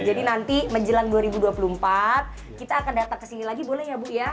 jadi nanti menjelang dua ribu dua puluh empat kita akan datang kesini lagi boleh ya bu ya